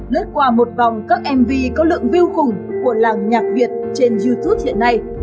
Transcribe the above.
lớt qua một vòng các mv có lượng view cùng của làng nhạc việt trên youtube hiện nay